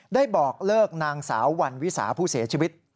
บอกเลิกนางสาววันวิสาผู้เสียชีวิต